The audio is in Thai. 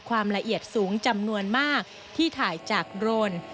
ความละเอียดสูงจำนวนมากที่ถ่ายจากโดรน